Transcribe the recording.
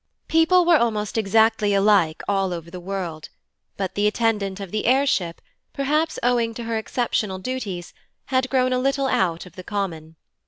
People were almost exactly alike all over the world, but the attendant of the air ship, perhaps owing to her exceptional duties, had grown a little out of the common.